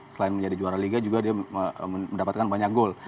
selain menjadi juara liga juga dia mendapatkan banyak gol